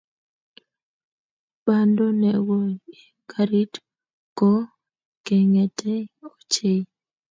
Bandoo ne koi eng garit kot keng'etei ochei.